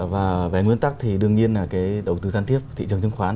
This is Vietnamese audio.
và về nguyên tắc thì đương nhiên là cái đầu tư gian tiếp thị trường chứng khoán